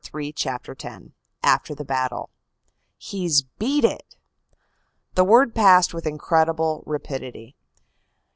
19 CHAPTER X AFTER THE BATTLE TJfE S beat it!" The word passed with incredible I rapidity.